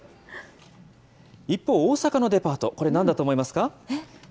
一方、大阪のデパート、これ、なんだと思いますか？